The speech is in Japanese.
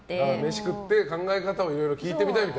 飯食って考え方をいろいろ聞いてみたいと。